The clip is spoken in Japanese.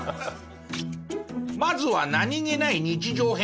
まずは何げない日常編。